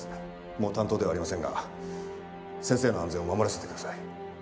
もう担当ではありませんが先生の安全を護らせてください。